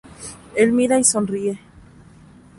Él mira y sonríe.